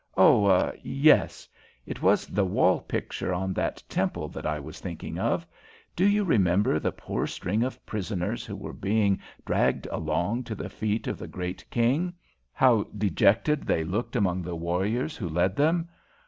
"Oh, yes; it was the wall picture on that temple that I was thinking of. Do you remember the poor string of prisoners who are being dragged along to the feet of the great king, how dejected they looked among the warriors who led them?